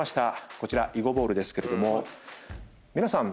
こちら囲碁ボールですけれども皆さん。